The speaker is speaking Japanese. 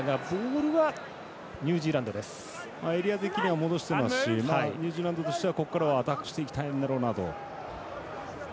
エリア的には戻してますしニュージーランドとしてはここからはアタックしていきたいんだろうなと。